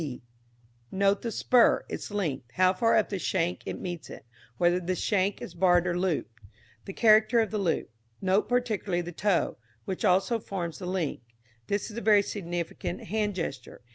b. Note the spur, its length, how far up the shank it meets it; whether the shank is barred or looped; the character of the loop. Note particularly the toe, which also forms the link. This is a very significant hand gesture.